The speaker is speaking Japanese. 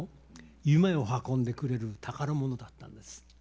夢を運んでくれる宝物だったんです。